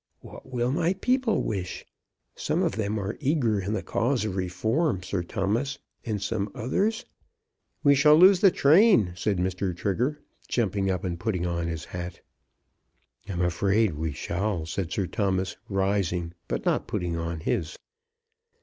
What will my people wish? Some of them are eager in the cause of reform, Sir Thomas; and some others " "We shall lose the train," said Mr. Trigger, jumping up and putting on his hat. "I'm afraid we shall," said Sir Thomas rising, but not putting on his.